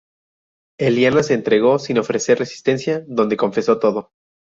Eliana se entregó sin ofrecer resistencia, donde confesó todo.